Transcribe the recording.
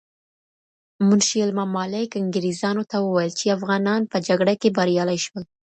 منشي الممالک انگریزانو ته وویل چې افغانان په جګړه کې بریالي شول.